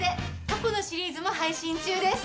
過去のシリーズも配信中です。